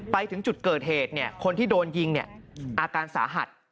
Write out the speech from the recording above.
ไปถึงจุดเกิดเหตุคนที่โดนยิงอาการสาหัส